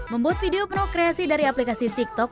membuat video penuh kreasi dari aplikasi tiktok